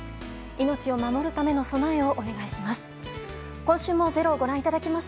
命を守るための備えをお願いします。